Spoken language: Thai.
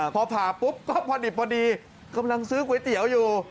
พอผ่าปุ๊บก็พอดิบพอดีกำลังซื้อก๋วยเตี๋ยวอยู่